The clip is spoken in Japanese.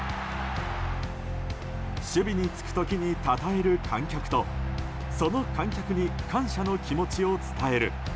守備につく時にたたえる観客とその観客に感謝の気持ちを伝える。